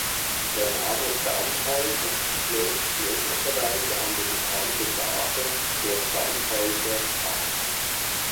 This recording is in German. Der Name "Tannhäuser" lehnt sich möglicherweise an die bekannte Sage „Der Tannhäuser“ an.